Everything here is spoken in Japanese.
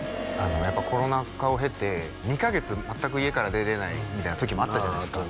やっぱりコロナ禍を経て２カ月全く家から出れないみたいな時もあったじゃないですか